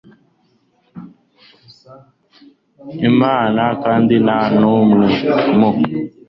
imana kandi nta n umwe mu